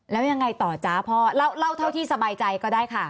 แล้วยังไงต่อจ๊ะพ่อเล่าเท่าที่สบายใจก็ได้ค่ะ